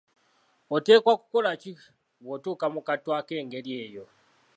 Oteekwa kukola ki bw'otuuka mu kattu ak'engeri eyo?